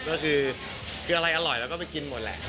ก็คืออะไรอร่อยเราก็ไปกินหมดแหละ